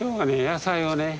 野菜をね